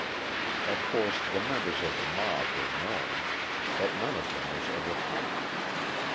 Of course, the members of the mob were known, but none of them was ever punished.